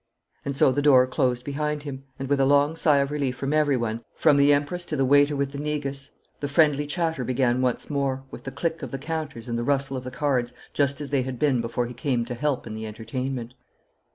And so the door closed behind him, and with a long sigh of relief from everyone, from the Empress to the waiter with the negus, the friendly chatter began once more, with the click of the counters and the rustle of the cards just as they had been before he came to help in the entertainment.